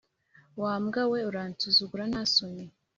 Wa mbwa we, uransuzugura nta soni